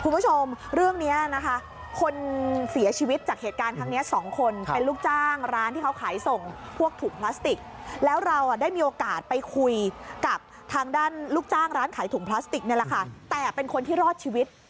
พลาสติกนี่แหละค่ะแต่เป็นคนที่รอดชีวิต